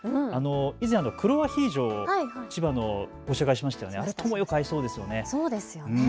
以前、黒アヒージョ、千葉のをご紹介しましたがそれとも合いそうですね。